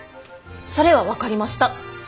それは分かりました！